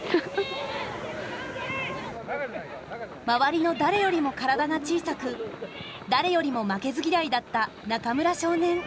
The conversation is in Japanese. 周りの誰よりも体が小さく誰よりも負けず嫌いだった中村少年。